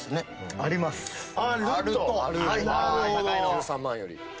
１３万より。